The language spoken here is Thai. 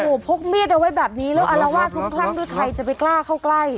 โอ้โหพกเมียดเอาไว้แบบนี้แล้วอาระวาคคุ้มใฟ้งในที่ใครจะไปกล้าใกล้จะเข้าใกล้